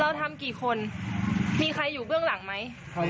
เราทำกี่คนมีใครอยู่เบื้องหลังไหม